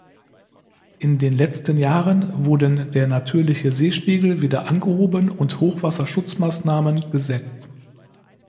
In den letzten Jahren wurden der natürliche Seespiegel wieder angehoben und Hochwasserschutzmaßnahmen gesetzt.